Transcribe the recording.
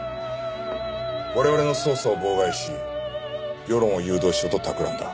我々の捜査を妨害し世論を誘導しようとたくらんだ。